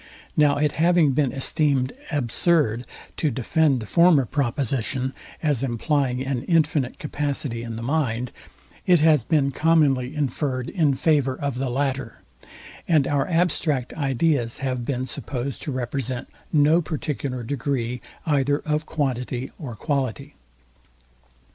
Now it having been esteemed absurd to defend the former proposition, as implying an infinite capacity in the mind, it has been commonly inferred in favour of the latter: and our abstract ideas have been supposed to represent no particular degree either of quantity or quality.